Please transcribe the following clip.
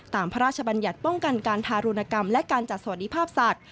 พระราชบัญญัติป้องกันการทารุณกรรมและการจัดสวัสดิภาพสัตว